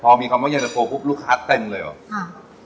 พอมีคำว่าเย็นตะโฟปุ๊บลูกค้าเต็มเลยเหรอค่ะ